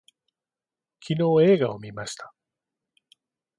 昨日映画を見ました